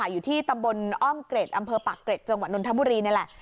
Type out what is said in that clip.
อยู่ที่ตำบลอ้อมเกร็ดอำเภอปากเกร็ดจังหวัดนทบุรีนี่แหละ